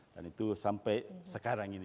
dan itu sampai sekarang ini